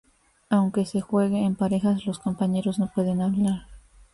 Aunque se juegue en parejas, los compañeros no pueden hablar.